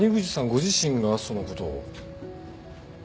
ご自身がそのことを？